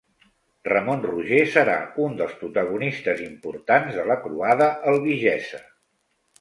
Ramon Roger serà un dels protagonistes importants de la Croada Albigesa.